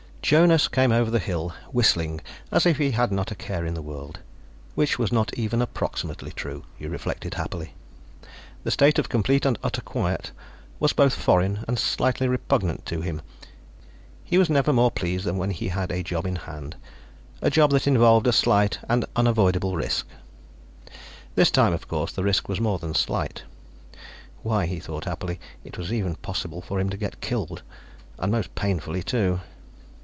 Jonas came over the hill whistling as if he had not a care in the world which was not even approximately true, he reflected happily. The state of complete and utter quiet was both foreign and slightly repugnant to him; he was never more pleased than when he had a job in hand, a job that involved a slight and unavoidable risk. This time, of course, the risk was more than slight. Why, he thought happily, it was even possible for him to get killed, and most painfully, too!